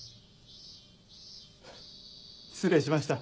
失礼しました。